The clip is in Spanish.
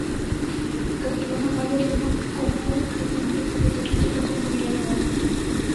Carlota Amalia, reinó como regente hasta que Carlos alcanzó la mayoría de edad.